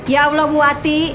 ya allah mu'athie